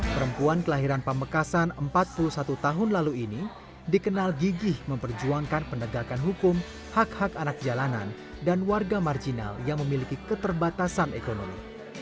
perempuan kelahiran pamekasan empat puluh satu tahun lalu ini dikenal gigih memperjuangkan penegakan hukum hak hak anak jalanan dan warga marginal yang memiliki keterbatasan ekonomi